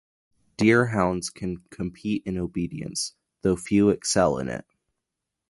Deerhounds can compete in obedience though few excel in it.